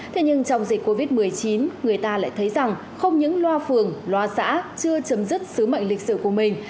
thế nhưng trong dịch covid một mươi chín người ta lại thấy rằng không những loa phường loa xã chưa chấm dứt sứ mệnh lịch sử của mình